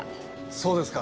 そうですか。